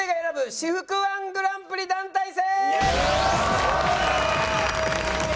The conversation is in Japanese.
私服−１グランプリ団体戦！